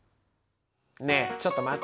ねえちょっと待って。